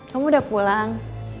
kamu udah pulang